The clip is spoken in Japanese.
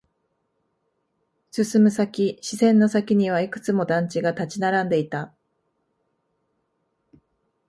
進む先、視線の先にはいくつも団地が立ち並んでいた。